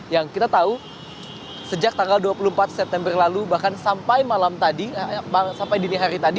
yang kita tahu sejak tanggal dua puluh empat september lalu bahkan sampai malam tadi sampai dini hari tadi